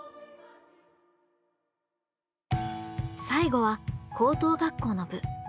最後は高等学校の部。